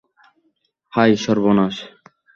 হায়, সর্বনাশ।